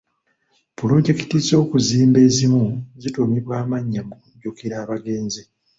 Pulojekiti z'okuzimba ezimu zituumibwa amannya mu kujjukira abagenzi.